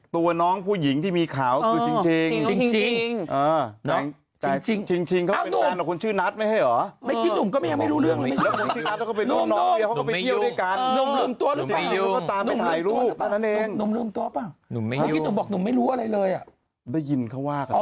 ตัวน้องผู้หญิงที่มีข่าวคือชิงชิง